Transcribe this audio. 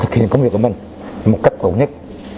khiến công việc của mình một cách ổn nhất